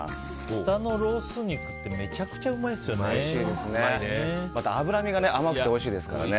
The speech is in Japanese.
豚のロース肉ってめちゃくちゃうまいですよね。